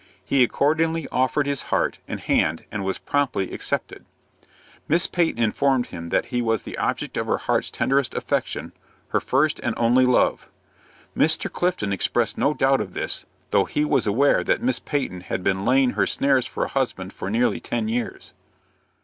He accordingly offered his heart and hand, and was promptly accepted. Miss Peyton informed him that he was "the object of her heart's tenderest affection, her first and only love." Mr. Clifton expressed no doubt of this, though he was aware that Miss Peyton had been laying her snares for a husband for nearly ten years.